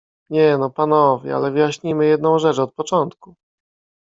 Nie no, panowie, ale wyjaśnijmy jedną rzecz od początku.